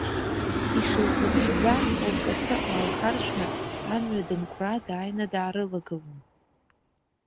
Ишылзыԥшӡам, лкасы аалхаршәны, амҩа данкәраа дааины даарылагылон.